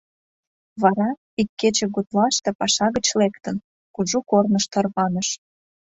Вара, ик кече гутлаште паша гыч лектын, кужу корныш тарваныш.